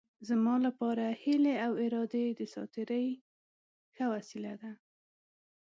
زما لپاره هیلې او ارادې د ساعت تېرۍ ښه وسیله ده.